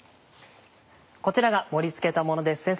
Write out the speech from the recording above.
こちらが盛り付けたものです